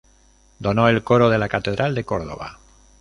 Donó el coro de la Catedral de Córdoba.